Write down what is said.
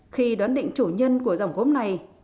khi đoán định chủ nhân của dòng gốm này